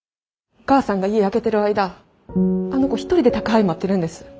お母さんが家空けてる間あの子一人で宅配待ってるんです。